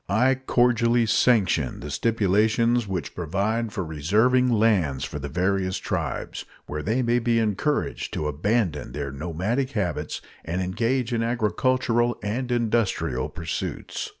I cordially sanction the stipulations which provide for reserving lands for the various tribes, where they may be encouraged to abandon their nomadic habits and engage in agricultural and industrial pursuits.